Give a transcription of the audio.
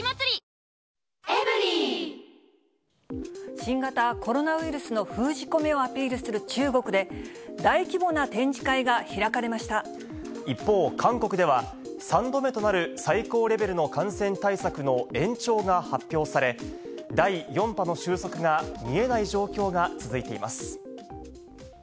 新型コロナウイルスの封じ込めをアピールする中国で、一方、韓国では、３度目となる最高レベルの感染対策の延長が発表され、第４波の収束が見えない状況が続いています。